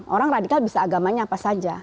orang radikal bisa agamanya apa saja